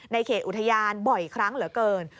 เขตอุทยานบ่อยครั้งเหลือเกิน